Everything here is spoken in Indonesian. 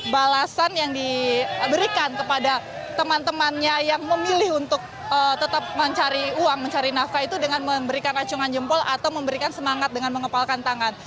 balasan yang diberikan kepada teman temannya yang memilih untuk tetap mencari uang mencari nafkah itu dengan memberikan racungan jempol atau memberikan semangat dengan mengepalkan tangan